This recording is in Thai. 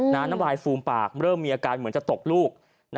น้ำลายฟูมปากเริ่มมีอาการเหมือนจะตกลูก